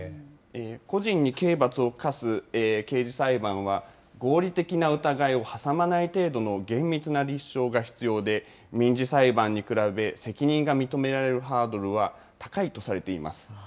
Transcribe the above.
個人に刑罰を科す刑事裁判は、合理的な疑いを挟まない程度の厳密な立証が必要で、民事裁判に比べ、責任が認められるハードルは高いとされています。